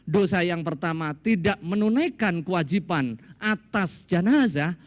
dosa yang pertama tidak menunaikan kewajiban atas jenazah